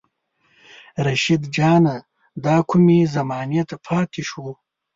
رشيد جانه دا کومې زمانې ته پاتې شو